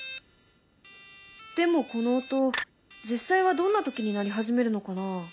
でもこの音実際はどんな時に鳴り始めるのかな？